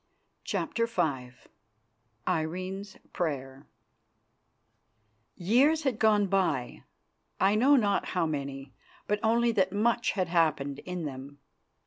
CHAPTER V IRENE'S PRAYER Years had gone by, I know not how many, but only that much had happened in them.